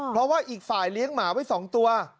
เพราะว่าอีกฝ่ายเลี้ยงหมาไว้๒ตัว